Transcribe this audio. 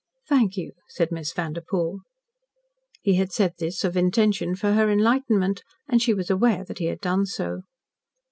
"Thank you," said Miss Vanderpoel. He had said this of intention for her enlightenment, and she was aware that he had done so.